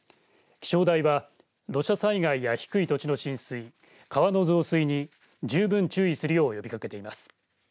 気象台は、土砂災害や低い土地の浸水川の増水に十分注意するよう呼びかけています。